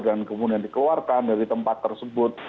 dan kemudian dikeluarkan dari tempat tersebut